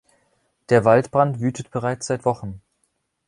Der Waldbrand wütet bereits seit Wochen.